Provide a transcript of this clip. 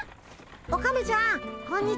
オカメちゃんこんにちは。